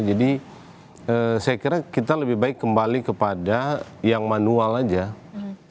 jadi saya kira kita lebih baik kembali kepada yang manusia yang memiliki sirekap ini